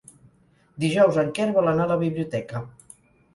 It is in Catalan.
Dijous en Quer vol anar a la biblioteca.